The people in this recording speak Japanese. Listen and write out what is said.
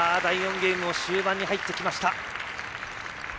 ゲームも終盤に入ってきました。